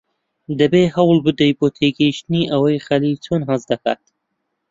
دەبێت هەوڵ بدەیت بۆ تێگەیشتنی ئەوەی خەلیل چۆن هەست دەکات.